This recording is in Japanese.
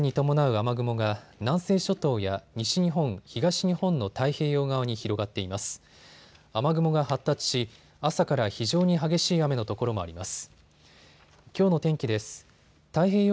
雨雲が発達し朝から非常に激しい雨の所もあります。